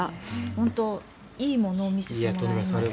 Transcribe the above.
本当にいいものを見せてもらいました。